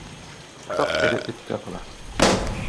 Уртаҡ әйбер эткә ҡала.